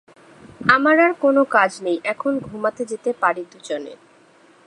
আমার আর কোন কাজ নেই, এখন ঘুমাতে যেতে পারি দুজনে।